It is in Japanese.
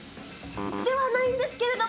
ではないんですけれども。